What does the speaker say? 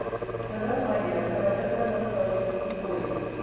And thus, my dear, have I set my mother's arguments before you.